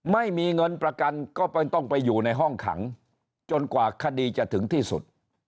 ไม่มีเงินประกันก็ต้องไปอยู่ในห้องขังจนกว่าคดีจะถึงที่สุด